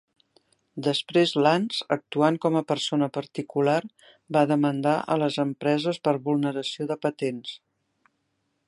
Després Lans, actuant com a persona particular, va demandar a les empreses per vulneració de patents.